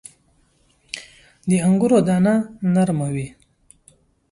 • د انګورو دانه نرمه وي.